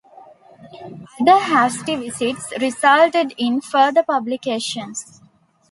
Other hasty visits resulted in further publications.